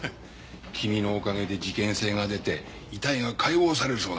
君のおかげで事件性が出て遺体が解剖されるそうだ。